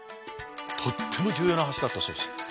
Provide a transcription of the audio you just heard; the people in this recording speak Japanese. とっても重要な橋だったそうです。